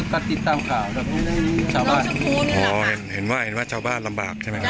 ก็ติดตามข่าวแบบชาวบ้านอ๋อเห็นเห็นว่าเห็นว่าชาวบ้านลำบากใช่ไหมครับ